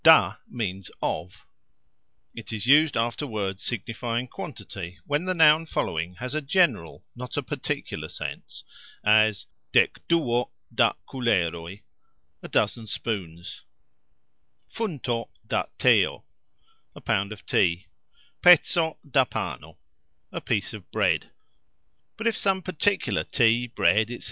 "Da" means "of"; it is used after words signifying quantity, when the noun following has a "general", not a "particular" sense, as "Dekduo da kuleroj", A dozen spoons; "Funto da teo", A pound of tea; "Peco da pano", A piece of bread; but if some particular tea, bread, etc.